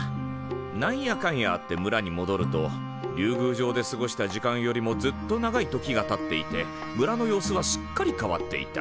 なんやかんやあって村にもどると竜宮城で過ごした時間よりもずっと長い時がたっていて村の様子はすっかり変わっていた。